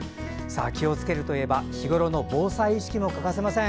気をつけるといえば日ごろの防災意識も欠かせません。